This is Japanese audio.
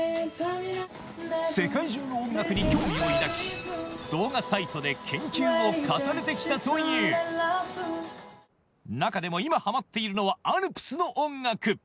世界中の音楽に興味を抱き動画サイトで研究を重ねて来たという中でも今ハマっているのはアルプスの音楽